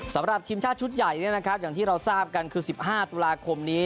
สำหรับทีมชาติชุดใหญ่อย่างที่เราทราบกันคือ๑๕ตุลาคมนี้